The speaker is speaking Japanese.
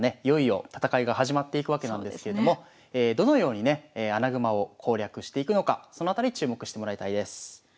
いよいよ戦いが始まっていくわけなんですけれどもどのようにね穴熊を攻略していくのかそのあたり注目してもらいたいです。